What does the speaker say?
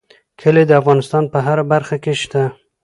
کلي د افغانستان په هره برخه کې شته.